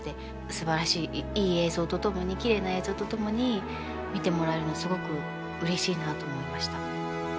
すばらしいいい映像と共にきれいな映像と共に見てもらえるのはすごくうれしいなと思いました。